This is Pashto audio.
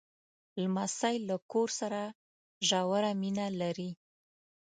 لمسی له کور سره ژوره مینه لري.